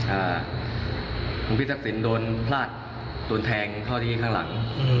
อาของพี่ศักดิ์สินโดนพลาดโดนแทงข้าวที่คลั่งหลัง